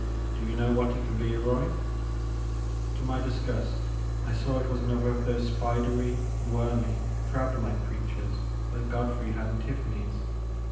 Do you know what it can be, Roy ?To my disgust I saw it was another of those spidery wormy crablike creatures that Godfrey had in TiflFany*s.